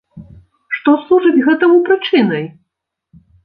Што служыць гэтаму прычынай?